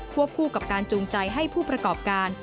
คู่กับการจูงใจให้ผู้ประกอบการ